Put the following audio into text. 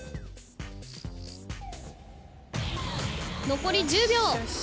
残り１０秒。